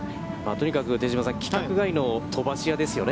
とにかく、手嶋さん、規格外の飛ばし屋ですよね。